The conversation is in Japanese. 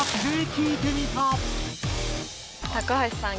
⁉高橋さん